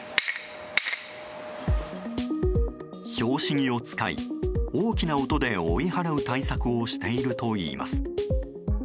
拍子木を使い大きな音で追い払う対策をしているといいます。